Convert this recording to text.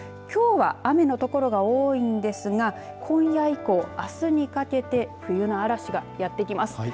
きょうは雨の所が多いんですが今夜以降、あすにかけて冬の嵐がやってきます。